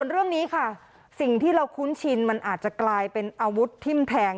เรื่องนี้ค่ะสิ่งที่เราคุ้นชินมันอาจจะกลายเป็นอาวุธทิ้มแทง